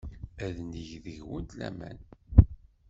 Ad neg deg-went laman.